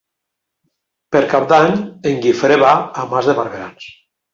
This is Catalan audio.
Per Cap d'Any en Guifré va a Mas de Barberans.